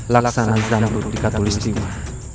laksana zanbur di katul istimewa